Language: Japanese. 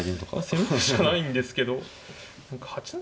攻めるしかないんですけど何か８七